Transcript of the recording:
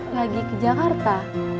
lagi ke jakarta